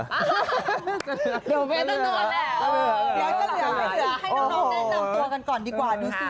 ให้น้องแนะนำตัวกันก่อนดีกว่า